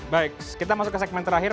baik kita masuk ke segmen terakhir